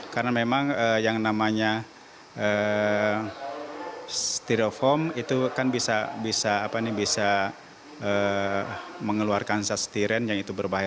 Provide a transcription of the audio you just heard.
karena memang yang namanya steroform itu kan bisa mengeluarkan zat stiren yang itu berbahaya